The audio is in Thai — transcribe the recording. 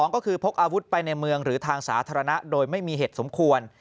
ก็คือพกอาวุธไปในเมืองหรือทางสาธารณะโดยไม่มีเหตุสมควร